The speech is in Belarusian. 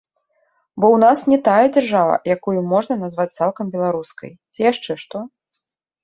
Бо ў нас не тая дзяржава, якую можна назваць цалкам беларускай, ці яшчэ што?